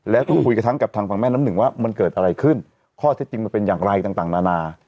แล้วก็คุยกับทั้งกับทางฝั่งแม่น้ำหนึ่งว่ามันเกิดอะไรขึ้นข้อเท็จจริงมันเป็นอย่างไรต่างนานา